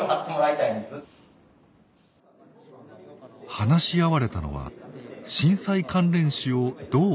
話し合われたのは震災関連死をどう防ぐか。